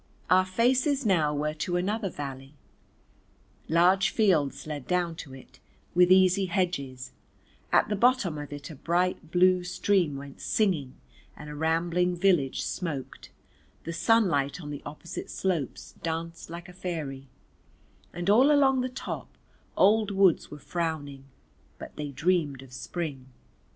Our faces now were to another valley, large fields led down to it, with easy hedges, at the bottom of it a bright blue stream went singing and a rambling village smoked, the sunlight on the opposite slopes danced like a fairy; and all along the top old woods were frowning, but they dreamed of Spring.